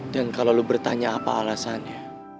dan kalo lu bertanya apa alasannya